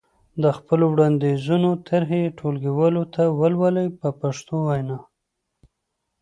د خپلو وړاندیزونو طرحې ټولګیوالو ته ولولئ په پښتو وینا.